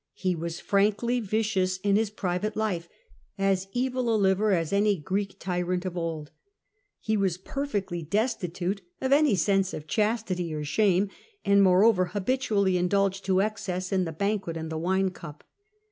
He was frankly vicious in his private life, as evil a liver as any Greek tyrant of old. He was per fectly destitute of any sense of chastity or shame, and, moreover, habitually indulged to excess in the banquet and the wine cup.